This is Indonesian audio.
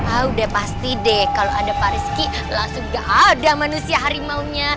ah udah pasti deh kalau ada pak rizky langsung gak ada manusia harimaunya